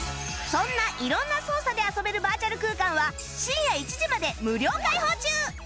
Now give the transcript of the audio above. そんな色んな操作で遊べるバーチャル空間は深夜１時まで無料開放中！